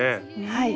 はい。